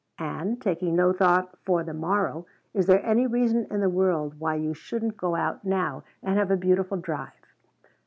And, taking no thought for the morrow, is there any reason in the world why you shouldn't go out now and have a beautiful drive?